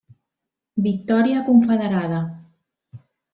Victòria confederada.